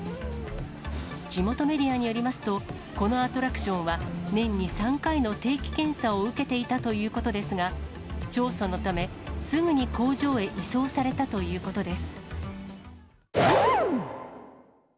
地元メディアによりますと、このアトラクションは、年に３回の定期検査を受けていたということですが、調査のため、すぐに工場へ移送されたということです。